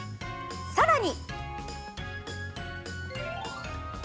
さらに。